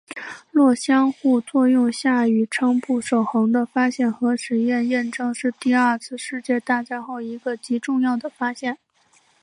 弱相互作用下宇称不守恒的发现和实验验证是第二次世界大战后一个极重要的发现。